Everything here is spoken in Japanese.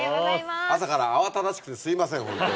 朝から慌ただしくてすいませんホントに。